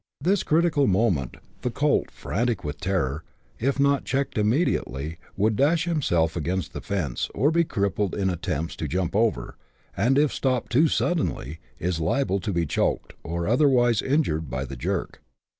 This is the critical moment : the colt, frantic with terror, if not checked immediately, would dash himself against the fence, or be crippled in attempts to jump over ; and if stopped too suddenly, is liable to be choked, or otherwise injured by the jerk.